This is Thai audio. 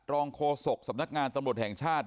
โฆษกสำนักงานตำรวจแห่งชาติ